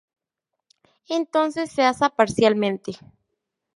Entonces se asa parcialmente.